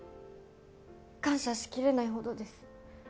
感謝しきれないほどです。